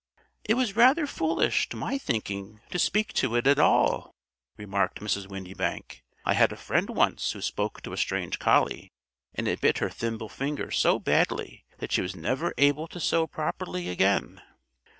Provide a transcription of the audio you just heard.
"It was rather foolish, to my thinking, to speak to it at all," remarked Mrs. Windybank. "I had a friend once who spoke to a strange collie; and it bit her thimble finger so badly that she was never able to sew properly again."